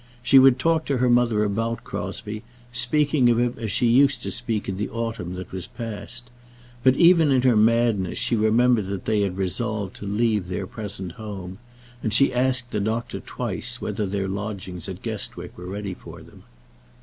She would talk to her mother about Crosbie, speaking of him as she used to speak in the autumn that was passed. But even in her madness she remembered that they had resolved to leave their present home; and she asked the doctor twice whether their lodgings in Guestwick were ready for them.